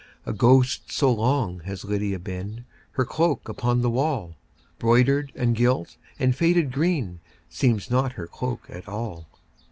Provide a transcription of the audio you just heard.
A ghost so long has Lydia been, Her cloak upon the wall, Broidered, and gilt, and faded green, Seems not her cloak at all.